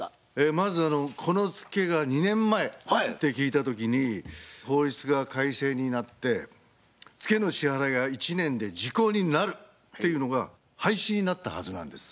まずこのツケが２年前って聞いた時に法律が改正になってツケの支払いが１年で時効になるっていうのが廃止になったはずなんです。